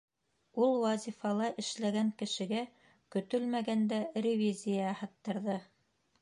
Ул вазифала эшләгән кешегә көтөлмәгәндә ревизия яһаттырҙы.